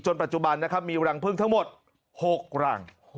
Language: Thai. จนปัจจุบันมีรังพึ่งทั้งหมด๖รัง